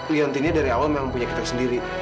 liontinnya dari awal memang punya kita sendiri